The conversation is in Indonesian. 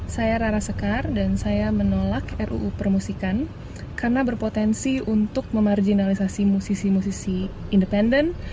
saya rara sekar dan saya menolak ruu permusikan karena berpotensi untuk memarginalisasi musisi musisi independen